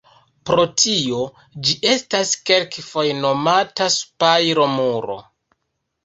Pro tio, ĝi estas kelkfoje nomata spajro-muro.